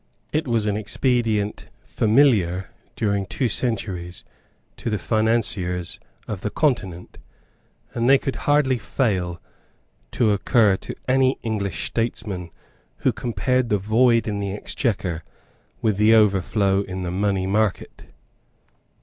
It was an expedient familiar, during two centuries, to the financiers of the Continent, and could hardly fail to occur to any English statesman who compared the void in the Exchequer with the overflow in the money market.